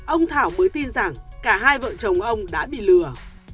ông thảo mới tin rằng cả hai vợ chồng ông đã bị lừa